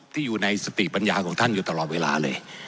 ที่อยู่ในสติปัญญาของท่านอยู่ตลอดเวลาเลย